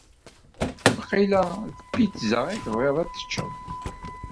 Waqila d pizza i tebɣiḍ ad teččeḍ.